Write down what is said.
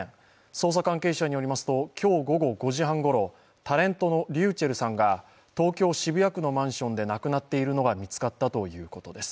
捜査関係者によりますと今日午後５時半ごろタレントのｒｙｕｃｈｅｌｌさんが、東京・渋谷区のマンションで亡くなっているのが見つかったということです。